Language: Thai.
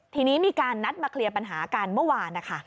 ทีนี้มีการนัดมาเคลียร์ปัญหากันเมื่อวานนะคะ